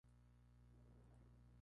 Río prácticamente seco.